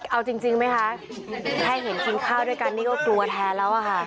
เอาจริงไหมคะแค่เห็นกินข้าวด้วยกันนี่ก็กลัวแทนแล้วอะค่ะ